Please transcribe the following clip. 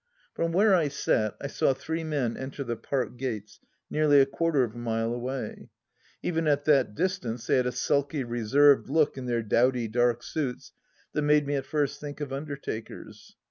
From where I sat, I saw three men enter the Park gates nearly a quarter of a mile away. Even at that distance, they had a sulky, reserved look, in their dowdy dark suits, that made me at first think of undertakers.